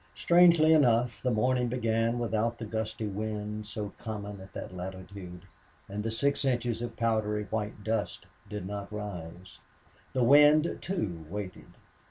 Strangely enough, the morning began without the gusty wind so common to that latitude, and the six inches of powdery white dust did not rise. The wind, too, waited.